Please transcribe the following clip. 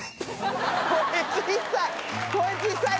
声小さい。